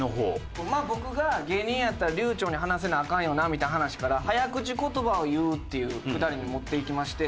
僕が芸人やったら流暢に話せなアカンよなみたいな話から早口言葉を言うっていうくだりに持っていきまして。